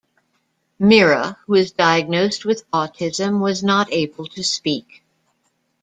Mirra, who was diagnosed with autism, was not able to speak.